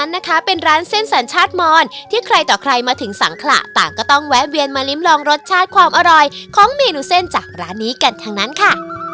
นะคะเป็นร้านเส้นสัญชาติมอนที่ใครต่อใครมาถึงสังขระต่างก็ต้องแวะเวียนมาลิ้มลองรสชาติความอร่อยของเมนูเส้นจากร้านนี้กันทั้งนั้นค่ะ